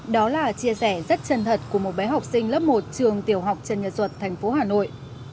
đó là chia sẻ rất chân thật của một bé học sinh lớp một trường tiểu học trần nhật duật thành phố hà nội